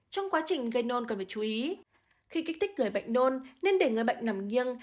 trong quá trình gây nôn cần phải chú ý khi kích thích người bệnh nôn nên để người bệnh nằm nghiêng